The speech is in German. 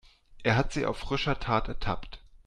Er hat sie auf frischer Tat ertappt.